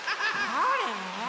だれ？